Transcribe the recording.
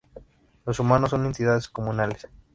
Los humanos son entidades comunales".